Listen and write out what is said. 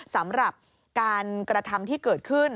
สำหรับการกระทำที่เกิดขึ้น